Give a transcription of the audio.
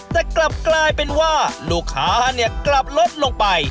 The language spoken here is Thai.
แต่กลับกลายเป็นว่าลูกค้ากลับลดลงไป